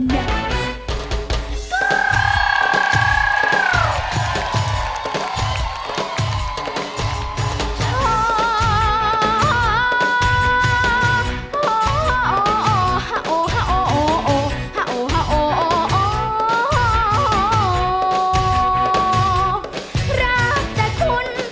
รักจักคุณรักจักคุณ